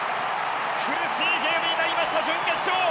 苦しいゲームになりました準決勝。